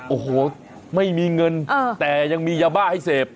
โอ้โหไม่มีเงินแต่ยังมียาบ้าให้เสพ